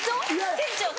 店長？